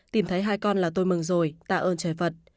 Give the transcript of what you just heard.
tìm thấy hai con là tôi mừng rồi tạ ơn trời phật